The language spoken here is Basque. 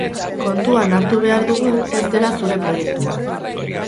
Kontuan hartu behar duzu ez dela zure proiektua.